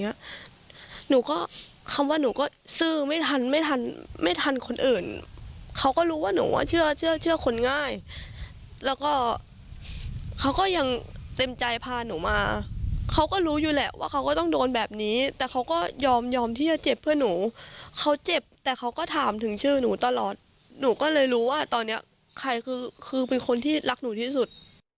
หนูก็คำว่าหนูก็ซื่อไม่ทันไม่ทันไม่ทันคนอื่นเขาก็รู้ว่าหนูว่าเชื่อเชื่อคนง่ายแล้วก็เขาก็ยังเต็มใจพาหนูมาเขาก็รู้อยู่แหละว่าเขาก็ต้องโดนแบบนี้แต่เขาก็ยอมยอมที่จะเจ็บเพื่อหนูเขาเจ็บแต่เขาก็ถามถึงชื่อหนูตลอดหนูก็เลยรู้ว่าตอนเนี้ยใครคือคือเป็นคนที่รักหนูที่สุด